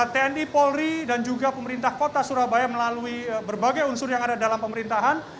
tni polri dan juga pemerintah kota surabaya melalui berbagai unsur yang ada dalam pemerintahan